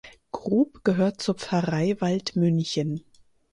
Grub gehört zur Pfarrei Waldmünchen.